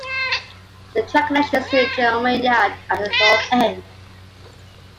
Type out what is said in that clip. The track connections to Jerome Yard are at the north end.